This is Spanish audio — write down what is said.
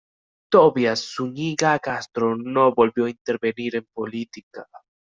Tobías Zúñiga Castro no volvió a intervenir en política.